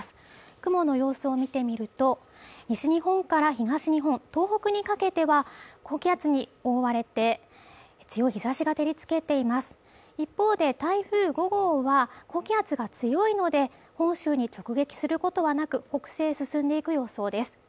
雲の様子を見てみると西日本から東日本東北にかけては高気圧に覆われて強い日差しが照りつけています一方で台風５号は高気圧が強いので本州に直撃することはなく北西へ進んでいく予想です